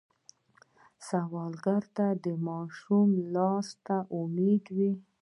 سوالګر ته د ماشوم لاس هم امید وي